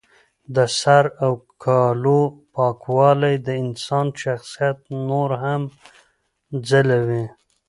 د سر او کالو پاکوالی د انسان شخصیت نور هم ځلوي.